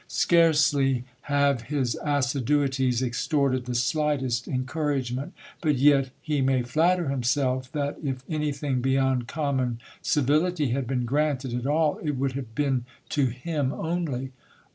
Scarcely have his assiduities extorted the slightest encouragement : but yet he may flatter himself that, if anything beyond common civility had been granted GIL BLAS. at all, it would have been to him only.